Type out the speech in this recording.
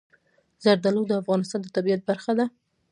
زردالو د افغانستان د طبیعت برخه ده.